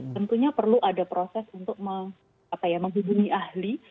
tentunya perlu ada proses untuk menghubungi ahli